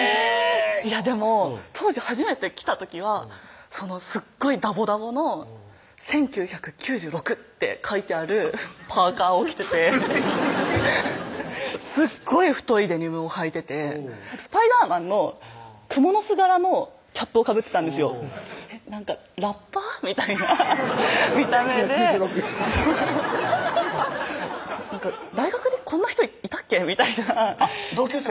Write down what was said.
でも当時初めて来た時はすっごいダボダボの「１９９６」って書いてあるパーカーを着ててすっごい太いデニムをはいててスパイダーマンのくもの巣柄のキャップなんかラッパー？みたいな１９９６大学にこんな人いたっけみたいな同級生？